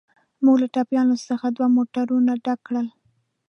موږ له ټپیانو څخه دوه موټرونه ډک کړل.